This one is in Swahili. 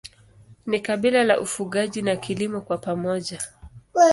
Ni kabila la ufugaji na kilimo kwa pamoja.